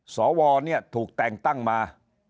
สวเนี่ยถูกแต่งตั้งมา